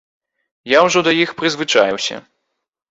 Я ўжо да іх прызвычаіўся.